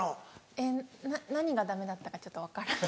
えっ何がダメだったかちょっと分からない。